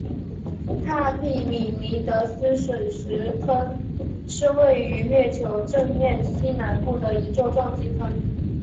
埃庇米尼得斯陨石坑是位于月球正面西南部的一座撞击坑。